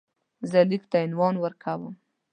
زه لیک ته عنوان ورکوم.